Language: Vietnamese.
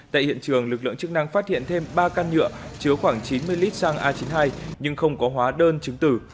tại hiện trường lực lượng chức năng phát hiện thêm ba can nhựa chứa khoảng chín mươi lít xăng a chín mươi hai nhưng không có hóa đơn chứng tử